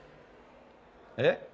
えっ？